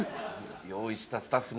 用意したスタッフ